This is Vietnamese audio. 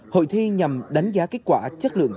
hội thi nhằm đánh giá kết quả chất lượng